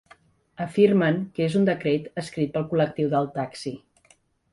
Afirmen que és un decret ‘escrit pel col·lectiu del taxi’.